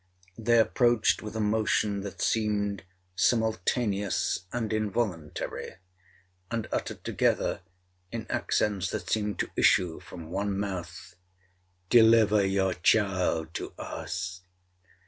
They approached with a motion that seemed simultaneous and involuntary—and uttered together, in accents that seemed to issue from one mouth, 'Deliver your child to us.'